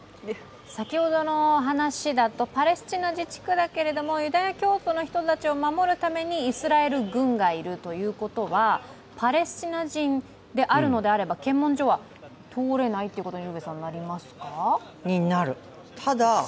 先ほどの話だと、パレスチナ自治区だけれどもユダヤ教徒の人たちを守るためにイスラエル軍がいるということはパレスチナ人であるのであれば検問所は通れないということになりますか？